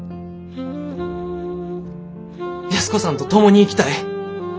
安子さんと共に生きたい。